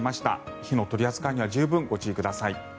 火の取り扱いには十分ご注意ください。